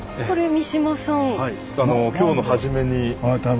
三島さん。